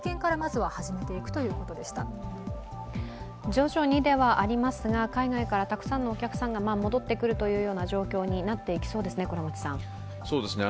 徐々にではありますが、海外からたくさんのお客さんが戻ってくる状況になっていきそうですね。